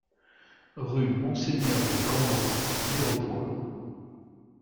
Rue Monseigneur de Cambon, Mirepoix